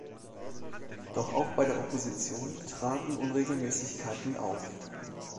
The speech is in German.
Doch auch bei der Opposition traten Unregelmäßigkeiten auf.